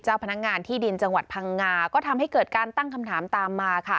พนักงานที่ดินจังหวัดพังงาก็ทำให้เกิดการตั้งคำถามตามมาค่ะ